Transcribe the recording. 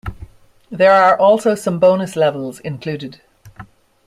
There are also some bonus levels included.